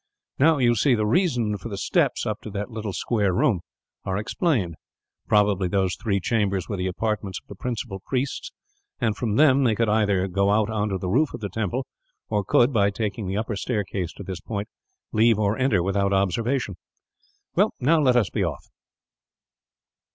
"Now, you see, the reason for the steps up to that little square room are explained. Probably those three chambers were the apartments of the principal priests, and from them they could either go out on to the roof of the temple; or could, by taking the upper staircase to this point, leave or enter without observation. "Now, let us be off."